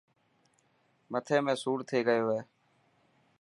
مٿي ۾ سوڙ ٿي گيو هي.